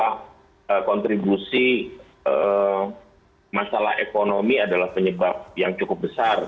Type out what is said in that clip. karena kontribusi masalah ekonomi adalah penyebab yang cukup besar